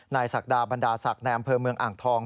ศักดาบรรดาศักดิ์ในอำเภอเมืองอ่างทอง